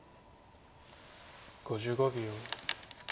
５５秒。